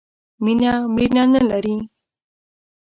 مینه ، مړینه نه لري.